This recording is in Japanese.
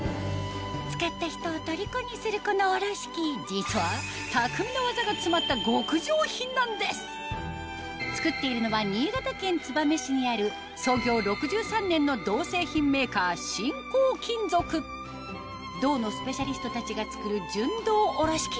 使った人を虜にするこのおろし器実はなんです作っているのは新潟県燕市にある創業６３年の銅製品メーカー新光金属銅のスペシャリストたちが作る純銅おろし器